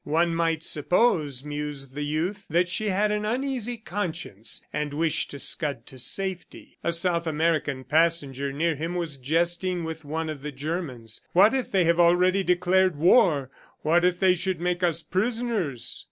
"One might suppose," mused the youth, "that she had an uneasy conscience and wished to scud to safety." A South American passenger near him was jesting with one of the Germans, "What if they have already declared war! ... What if they should make us prisoners!"